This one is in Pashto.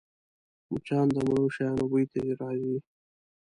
مچان د مړو شیانو بوی ته راځي